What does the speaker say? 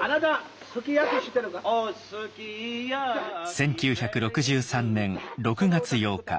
１９６３年６月８日。